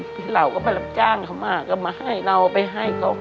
คือเราก็ไปรับจ้างเขามาก็มาให้เราไปให้เขา